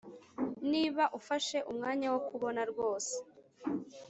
niba ufashe umwanya wo kubona rwose,